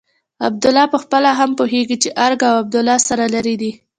عبدالله پخپله هم پوهېږي چې ارګ او عبدالله سره لرې دي.